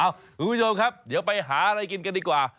คุณผู้ชมครับเดี๋ยวไปหาอะไรกินกันดีกว่า